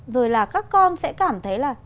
rồi là các con sẽ cảm thấy là